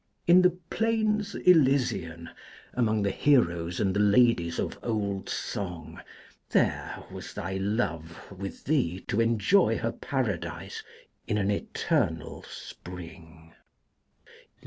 In the Plains Elysian, among the heroes and the ladies of old song, there was thy Love with thee to enjoy her paradise in an eternal spring.